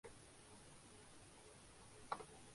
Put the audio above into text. گویا ماضی، حال اور مستقبل سے وابستہ ہو جاتا ہے۔